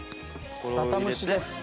酒蒸しです。